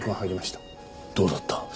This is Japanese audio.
どうだった？